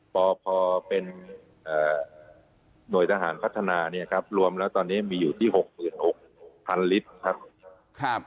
พอเป็นหน่วยทหารพัฒนาเนี่ยครับรวมแล้วตอนนี้มีอยู่ที่๖๖๐๐๐ลิตรครับ